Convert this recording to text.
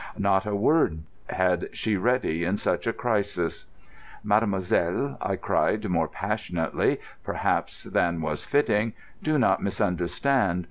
Not a word had she ready in such a crisis. "Mademoiselle," I cried, more passionately, perhaps, than was fitting, "do not misunderstand.